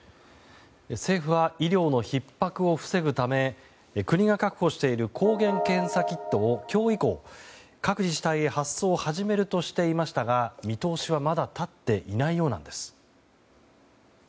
政府は医療のひっ迫を防ぐため国が確保している抗原検査キットを今日以降、各自治体へ発送を始めるとしていましたが見通しはまだ立っていないようなんです。